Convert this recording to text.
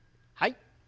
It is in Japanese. はい。